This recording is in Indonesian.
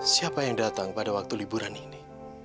siapa yang datang pada waktu liburan ini